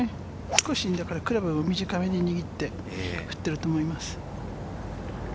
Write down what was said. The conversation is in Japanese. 少しクラブを短めに握って振っていると思います。